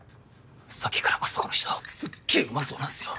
さっきからあそこの人すっげぇうまそうなんすよ。